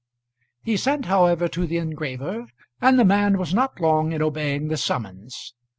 He sent, however, to the engraver, and the man was not long in obeying the summons.